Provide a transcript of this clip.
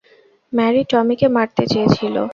Mary টমিকে মারতে চেয়েছিল।